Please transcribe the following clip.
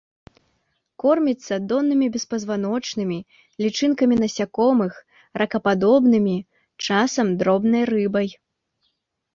Корміцца доннымі беспазваночнымі, лічынкамі насякомых, ракападобнымі, часам дробнай рыбай.